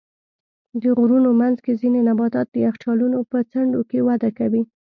د غرونو منځ کې ځینې نباتات د یخچالونو په څنډو کې وده کوي.